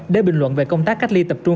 để bình luận về công tác cách ly tập trung